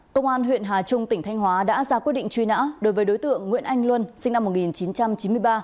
công an huyện hà trung tỉnh thanh hóa đã ra quyết định truy nã đối với đối tượng nguyễn anh luân sinh năm một nghìn chín trăm chín mươi ba